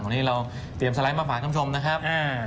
วันนี้เราเตรียมสไลด์มาฝากท่านผู้ชมนะครับ